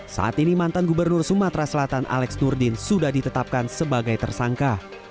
saat ini mantan gubernur sumatera selatan alex nurdin sudah ditetapkan sebagai tersangka